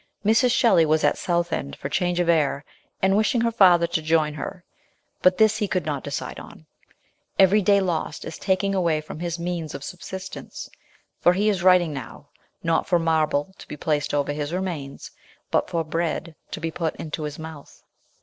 Mrs. Shelley was at Southend for change of air, and wishing her father to join her ; but this he could not decide on. Every day lost is taking away from his means of subsis tence ; for he is writing now, not for marble to be placed over his remains, but for bread to be put into his mouth.